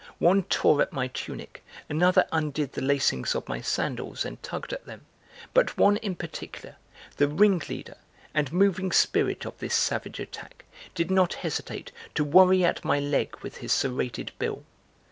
One tore at my tunic, another undid the lacings of my sandals and tugged at them, but one in particular, the ringleader and moving spirit of this savage attack, did not hesitate to worry at my leg with his serrated bill.